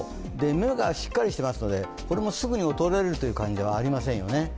目がしっかりしていますのでこれもすごく衰えるという感じではありませんよね。